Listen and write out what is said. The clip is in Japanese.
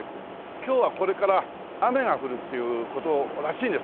今日はこれから雨が降るっていう事らしいです